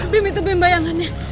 bim itu bim bayangannya